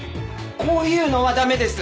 こういうのはだめです！